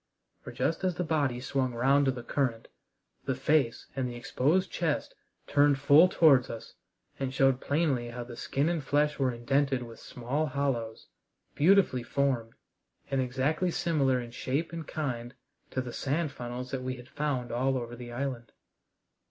For just as the body swung round to the current the face and the exposed chest turned full towards us, and showed plainly how the skin and flesh were indented with small hollows, beautifully formed, and exactly similar in shape and kind to the sand funnels that we had found all over the island.